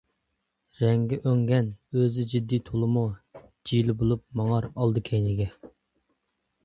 رەڭگى ئۆڭگەن، ئۆزى جىددىي تولىمۇ، جىلە بولۇپ ماڭار ئالدى-كەينىگە.